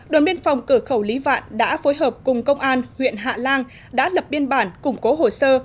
đội biên phòng cửa khẩu lý vạn đã phối hợp cùng công an huyện hạ lan đã lập biên bản củng cố hồ sơ